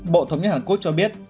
bộ thống nhất hàn quốc cho biết